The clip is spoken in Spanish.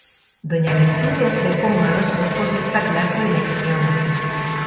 Doña Virtudes ve con malos ojos esta clase de lecciones.